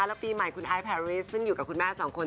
แล้วปีใหม่คุณไอซ์แพริสซึ่งอยู่กับคุณแม่สองคน